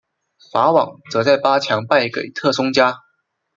法网则在八强败给特松加。